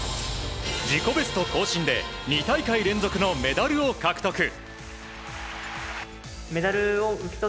自己ベスト更新で２大会連続のメダルを獲得。